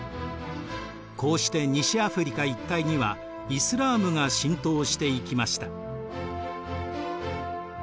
こうして西アフリカ一帯にはイスラームが浸透していきました。